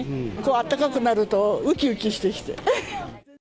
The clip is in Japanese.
あったかくなるとうきうきしてきて。